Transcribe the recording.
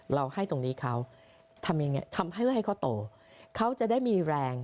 เราให้ตรงนี้เขาทำให้ก่อนที่เขาโตเค้าจะได้มีแรง